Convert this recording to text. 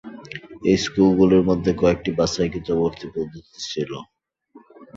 এই স্কুলগুলির মধ্যে কয়েকটিতে বাছাইকৃত ভর্তি পদ্ধতি ছিল।